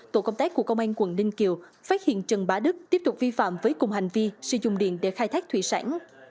tổ công tác của công an quận ninh kiều phát hiện trần bá đức tiếp tục vi phạm với cùng hành vi sử dụng điện để khai thác thủy sản